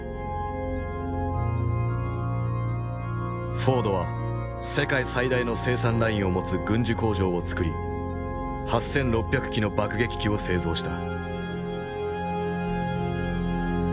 フォードは世界最大の生産ラインを持つ軍需工場を作り８，６００機の爆撃機を製造した。